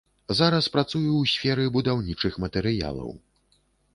Зараз працую ў сферы будаўнічых матэрыялаў.